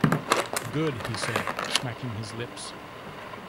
‘Good,’ he said, smacking his lips.